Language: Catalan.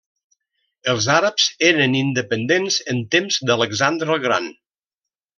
Els àrabs eren independents en temps d'Alexandre el Gran.